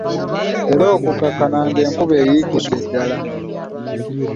Era okukkakkana ng'enkuba eyiikidde ddala.